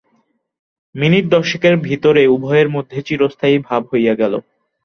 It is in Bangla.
মিনিট দশেকের ভিতরে উভয়ের মধ্যে চিরস্থায়ী ভাব হইয়া গেল।